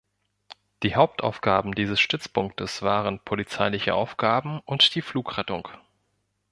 Die Hauptaufgaben dieses Stützpunktes waren Polizeiliche Aufgaben und die Flugrettung.